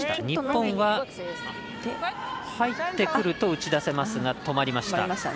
日本は入ってくると打ち出せますが止まりました。